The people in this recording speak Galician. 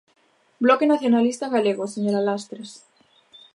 Bloque Nacionalista Galego, señora Lastres.